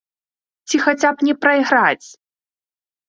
Ці хаця б не прайграць.